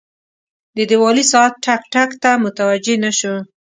د دیوالي ساعت ټک، ټک ته متوجه نه شو.